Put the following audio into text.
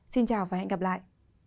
xin chào và hẹn gặp lại